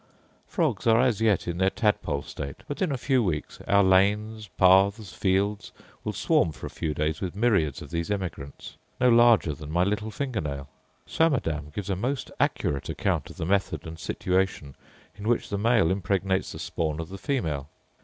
Frogs are as yet in their tadpole state; but in a few weeks, our lanes, paths, fields, will swarm for a few days with myriads of these emigrants, no larger than my little finger nail. Swammerdam gives a most accurate account of the method and situation in which the male impregnates the spawn of the female.